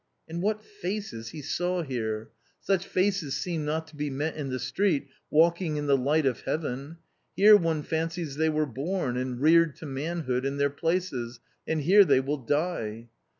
" And what faces he saw here ; such faces seem not to be met in the street walking in the light of heaven : here one fancies they were born, and reared to manhood in their places and here they will die.